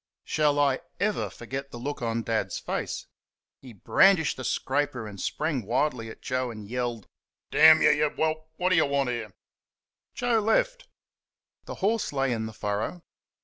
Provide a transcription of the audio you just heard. Shall I ever forget the look on Dad's face! He brandished the scraper and sprang wildly at Joe and yelled, "Damn y', you WHELP! what do you want here?" Joe left. The horse lay in the furrow.